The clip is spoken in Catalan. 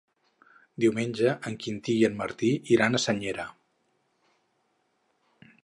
Diumenge en Quintí i en Martí iran a Senyera.